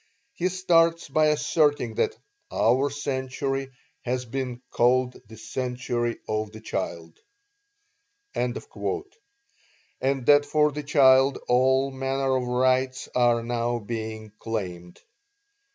He starts by asserting that "our century has been called the century of the child," and that for the child all manner of rights are now being claimed.